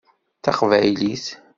D taqbaylit.